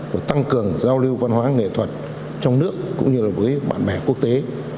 và tăng cường giao lưu văn hóa nghệ thuật trong nước cũng như là với bạn bè quốc tế